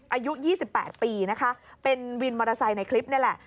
อายุ๒๘ปีนะคะเป็นวินมอเตอร์ไซค์ในคลิปนี่แหละ